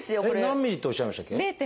何ｍｍっておっしゃいましたっけ？